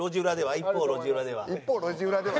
一方路地裏では？